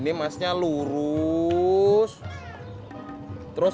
kamu mau wso dong